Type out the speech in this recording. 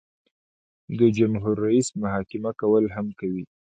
د جمهور رئیس محاکمه کول هم کوي.